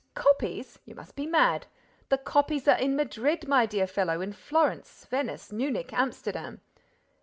Copies! You must be mad! The copies are in Madrid, my dear fellow, in Florence, Venice, Munich, Amsterdam."